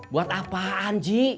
buat apaan ji